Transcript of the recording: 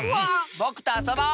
ぼくとあそぼう！